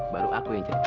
baru aku yang cerita